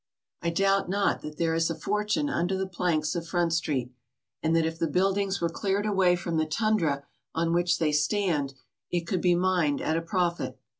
I doubt not that there is a fortune under the planks of Front Street, and that if the buildings were cleared away from the tundra on which they stand it could be mined at a profit.